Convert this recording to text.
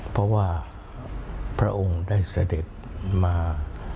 เพราะว่าพระองค์ได้เสด็จมา